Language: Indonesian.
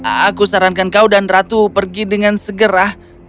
aku sarankan kau dan ratu pergi dengan segera